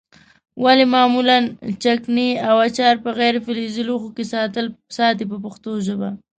ولې معمولا چکني او اچار په غیر فلزي لوښو کې ساتي په پښتو ژبه.